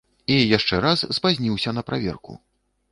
І яшчэ раз спазніўся на праверку.